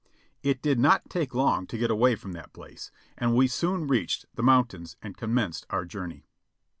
It did not take long to get away from that place, and we soon reached the mountains and commenced our journey.